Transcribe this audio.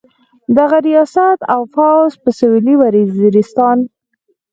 دغه ریاست او فوځ په سویلي وزیرستان.